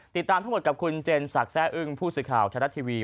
ติดตามทั้งหมดกับคุณเจนศักดิ์แซ่อึ้งผู้สื่อข่าวไทยรัฐทีวี